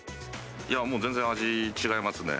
もう全然、味違いますね。